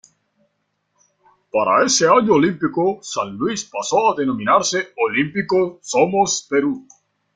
Para ese año Olímpico San Luis pasó a denominarse Olímpico Somos Perú.